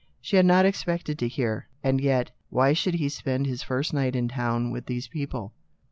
She had not expected to hear. And yet, why should he spend his first night in town with these people